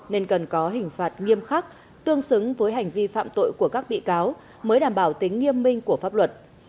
nên cần có hình phạt nghiêm khắc tương xứng với hành vi phạm tội của các bị cáo mới đảm bảo tính nghiêm minh của pháp luật